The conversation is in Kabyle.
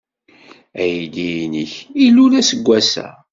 Aydi-nnek ilul aseggas-a.